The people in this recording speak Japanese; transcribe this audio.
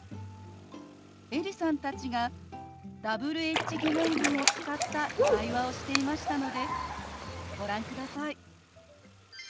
エリさんたちがＷｈ−疑問文を使った会話をしていましたのでご覧ください。